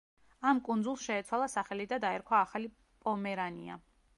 ამ კუნძულს შეეცვალა სახელი და დაერქვა ახალი პომერანია.